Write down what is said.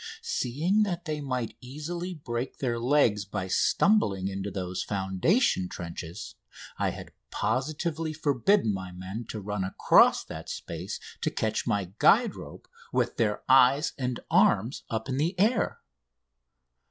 Seeing that they might easily break their legs by stumbling into those foundation trenches I had positively forbidden my men to run across that space to catch my guide rope with their eyes and arms up in the air.